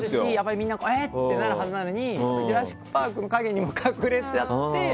みんなえー！ってなるはずなのに「ジュラシック・パーク」の陰に隠れちゃって。